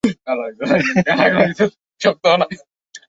আজ শালীর পতিতালয় বন্ধ করেই ছাড়বো!